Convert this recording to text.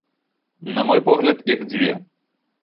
На мой погляд, іх дзве.